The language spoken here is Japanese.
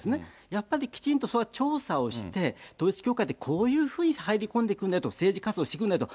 やっぱりきちんとそれは調査をして、統一教会ってこういうふうにして入り込んでくるんだと、政治活動してくるんだよと、